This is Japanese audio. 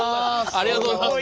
ありがとうございます！